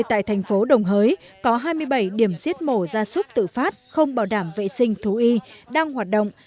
tại thành phố đồng hới có hai mươi bảy điểm giết mổ ra súc tự phát không bảo đảm vệ sinh thú y đang hoạt động